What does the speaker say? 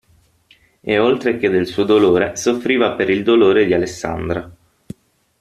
E oltre che del suo dolore soffriva per il dolore di Alessandra.